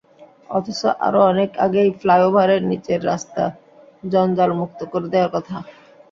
অথচ আরও অনেক আগেই ফ্লাইওভারের নিচের রাস্তা জঞ্জালমুক্ত করে দেওয়ার কথা।